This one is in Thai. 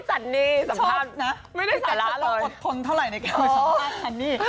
คนเท่าไหร่ในคุยสัมภาษณ์คันนี่